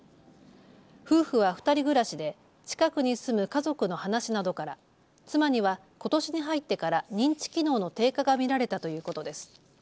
夫婦は２人暮らしで近くに住む家族の話などから妻にはことしに入ってから認知機能の低下が見られたということです。